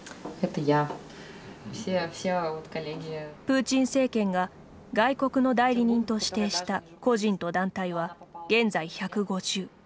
プーチン政権が外国の代理人と指定した個人と団体は現在１５０。